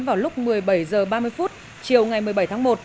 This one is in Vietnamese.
vào lúc một mươi bảy h ba mươi chiều ngày một mươi bảy tháng một